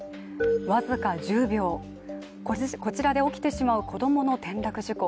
僅か１０秒、こちらで起きてしまう子供の転落事故。